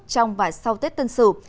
trong và sau tết tân sửu